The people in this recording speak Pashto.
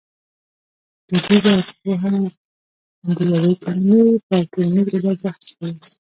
دودیزه ارپوهه د یوې کلمې پر ټولنیز علت بحث کوي